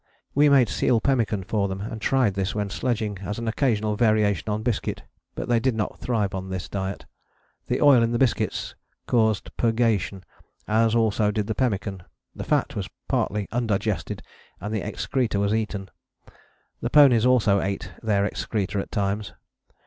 We made seal pemmican for them and tried this when sledging, as an occasional variation on biscuit, but they did not thrive on this diet. The oil in the biscuits caused purgation, as also did the pemmican: the fat was partly undigested and the excreta were eaten. The ponies also ate their excreta at times.